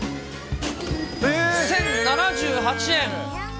１０７８円。